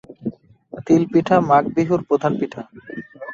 তিল পিঠা মাঘ বিহুর প্রধান পিঠা।